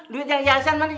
duit yang yayasan mari